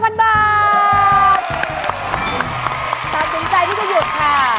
ตัดสินใจที่จะหยุดค่ะ